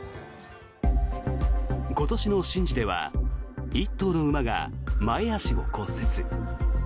今年の神事では１頭の馬が前足を骨折。